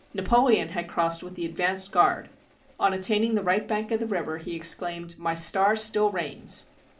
Napoleon had crossed with the advanced guard. On attaining the right bank of the river, he exclaimed, "My star still reigns!"